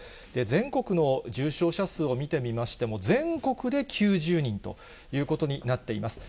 全国の重症者数を見てみましても、全国で９０人ということになっています。